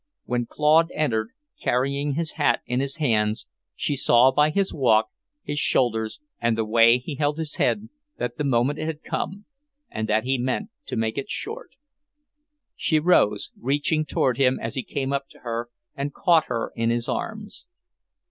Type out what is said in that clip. When Claude entered, carrying his hat in his hand, she saw by his walk, his shoulders, and the way he held his head, that the moment had come, and that he meant to make it short. She rose, reaching toward him as he came up to her and caught her in his arms.